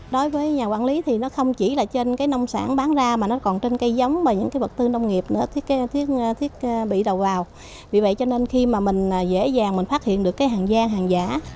đối với nhà quản lý thì nó không chỉ là trên cái nông sản bán ra mà nó còn trên cây giống và những cái vật tư nông nghiệp nữa thiết bị đầu vào vì vậy cho nên khi mà mình dễ dàng mình phát hiện được cái hàng gian hàng giả